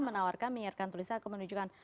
menawarkan menyiarkan tuliskan atau menunjukkan